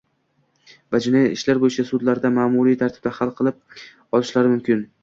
va Jinoiy ishlar bo‘yicha sudlarda ma’muriy tartibda hal qilib olishlari mumkin.